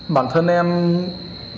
bản thân em khó